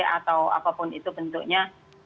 atau apapun itu bentuknya